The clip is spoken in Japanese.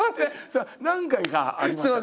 何回かありましたね。